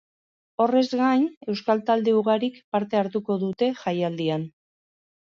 Horrez gain, euskal talde ugarik parte hartuko dute jaialdian.